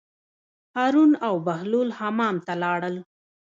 هارون او بهلول حمام ته لاړل.